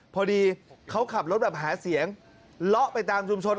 พอดีเขาขับรถแบบหาเสียงเลาะไปตามชุมชน